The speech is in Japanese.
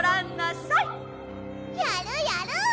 やるやる！